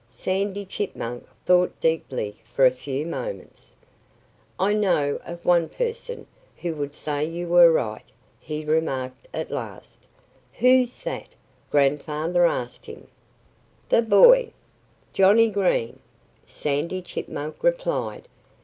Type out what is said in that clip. Sandy Chipmunk thought deeply for a few moments. "I know of one person who would say you were right," he remarked at last. "Who's that?" Grandfather asked him. "The boy, Johnnie Green!" Sandy Chipmunk replied.